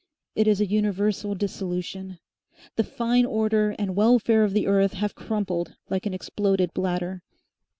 It is a universal dissolution. The fine order and welfare of the earth have crumpled like an exploded bladder.